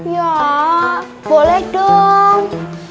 ya boleh dong